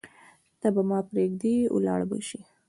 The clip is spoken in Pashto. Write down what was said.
ته به ما پریږدې ولاړه به شې